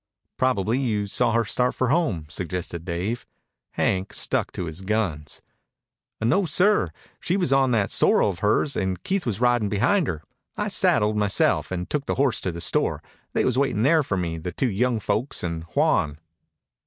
"Probably you saw her start for home," suggested Dave. Hank stuck to his guns. "No, sir. She was on that sorrel of hers, an' Keith was ridin' behind her. I saddled myself and took the horse to the store. They was waitin' there for me, the two young folks an' Juan."